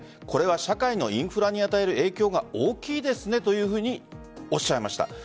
これは社会のインフラに与える影響が大きいですねというふうにおっしゃいました。